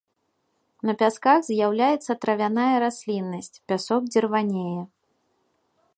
На пясках з'яўляецца травяная расліннасць, пясок дзірванее.